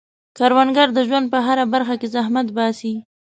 کروندګر د ژوند په هره برخه کې زحمت باسي